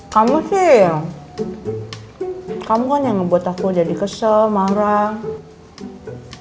kamu sih ya kamu kan yang ngebuat aku jadi kesel marah